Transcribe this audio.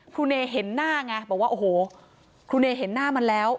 เนเห็นหน้าไงบอกว่าโอ้โหครูเนเห็นหน้ามันแล้ว